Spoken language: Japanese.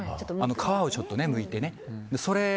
皮をちょっとむいてね。